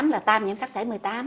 là tam nhiễm sắc thể một mươi tám